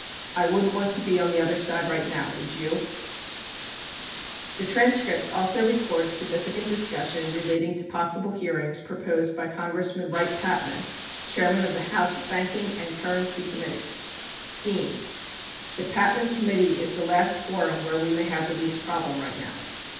I wouldn't want to be on the other side right now. Would you ? 49 [Emphasis added.] The transcript also records significant discussion relating to possible hearings proposed by Congressman Wright Patman, Chairman of the House Banking and Currency Committee : D. [The Patman Committee] is the last forum where we have the least problem right now.